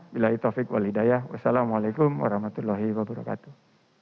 bilai taufik walidaya wassalamu'alaikum warahmatullahi wabarakatuh